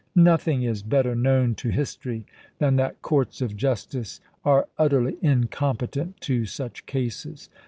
Nothing is better known to history than that courts of justice are utterly incompetent to such cases.